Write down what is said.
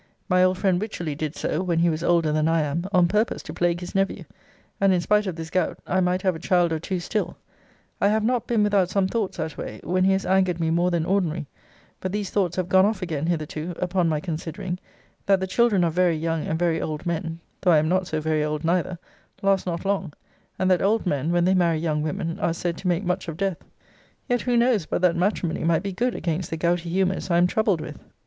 My old friend Wycherly did so, when he was older than I am, on purpose to plague his nephew: and, in spite of this gout, I might have a child or two still. I have not been without some thoughts that way, when he has angered me more than ordinary: but these thoughts have gone off again hitherto, upon my considering, that the children of very young and very old men (though I am not so very old neither) last not long; and that old men, when they marry young women, are said to make much of death: Yet who knows but that matrimony might be good against the gouty humours I am troubled with?